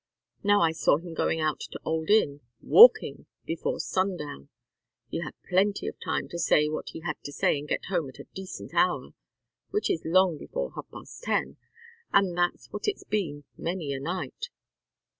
Now, I saw him going out to Old Inn, walking before sundown. He had plenty of time to say what he had to say and get home at a decent hour which is long before half past ten, and that's what it's been many a night.